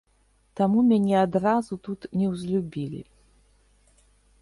Таму мяне адразу тут неўзлюбілі.